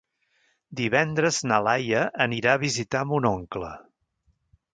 Divendres na Laia anirà a visitar mon oncle.